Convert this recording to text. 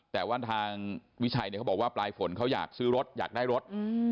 แต่ว่าทางวิชัยเนี่ยเขาบอกว่าปลายฝนเขาอยากซื้อรถอยากได้รถ